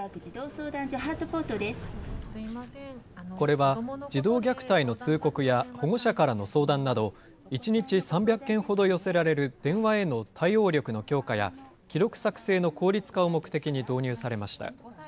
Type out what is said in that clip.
これは児童虐待の通告や、保護者からの相談など、１日３００件ほど寄せられる電話への対応力の強化や、記録作成の効率化を目的に導入されました。